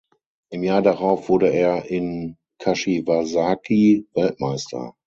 Im Jahr darauf wurde er in Kashiwazaki Weltmeister.